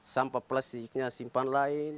sampah plastiknya simpan lain